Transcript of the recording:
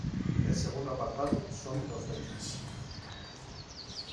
El segundo apartado son dos letras.